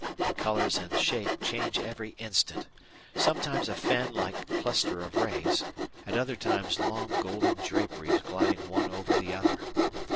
The colours and shape change every instant; sometimes a fan like cluster of rays, at other times long golden draperies gliding one over the other.